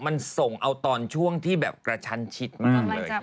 มันส่งเอาตอนช่วงที่แบบกระชันชิดมากเลย